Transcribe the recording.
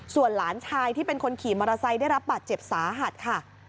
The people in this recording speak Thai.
ส่วนหลานชายที่เป็นคนขี่มอเตอร์ไซค์ได้รับบาดเจ็บสาหัสค่ะ